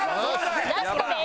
ラストです。